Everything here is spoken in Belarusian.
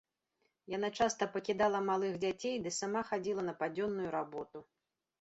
Яна часта пакідала малых дзяцей ды сама хадзіла на падзённую работу.